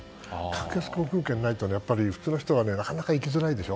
格安航空券がないと普通の人はなかなか行きにくいでしょ。